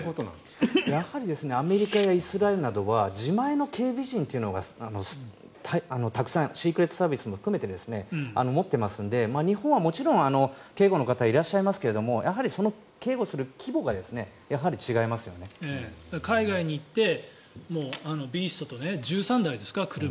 やはりアメリカやイスラエルなどは自前の警備陣っていうのがたくさんシークレットサービスも含めて持っていますので日本はもちろん警護の方がいらっしゃいますけどその警護する規模が海外に行ってビーストと１３台ですか、車。